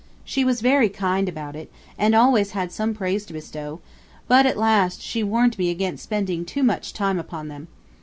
She was very kind about it, and always had some praise to bestow, but at last she warned me against spending too much time upon them.